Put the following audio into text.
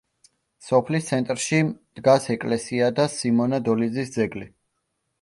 სოფლის ცენტრში დგას ეკლესია და სიმონა დოლიძის ძეგლი.